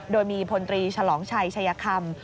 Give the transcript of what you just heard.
โดยมีพลตรีฉลองชัยชัยคำ